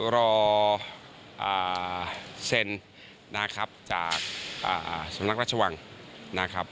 รอเซ็นนะครับจากสำนักราชวังนะครับ